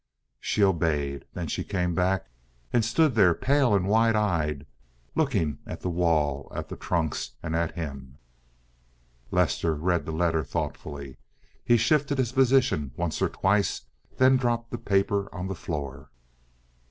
She obeyed. Then she came back and stood there pale and wide eyed, looking at the wall, at the trunks, and at him. Lester read the letter thoughtfully. He shifted his position once or twice, then dropped the paper on the floor.